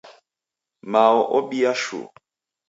Mao obia shuu